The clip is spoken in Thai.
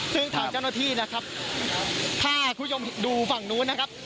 ซึ่งทางเจ้าหน้าที่นะครับถ้าคุณผู้ชมดูฝั่งนู้นนะครับ